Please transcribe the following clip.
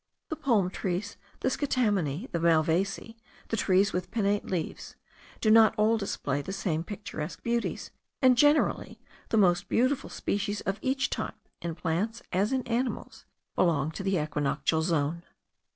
The palm trees, the scitamineae, the malvaceae, the trees with pinnate leaves, do not all display the same picturesque beauties; and generally the most beautiful species of each type, in plants as in animals, belong to the equinoctial zone.